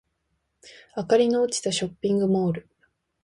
明かりの落ちたショッピングモール